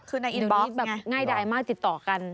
คือในอินบิ๊กแบบง่ายดายมากติดต่อกัน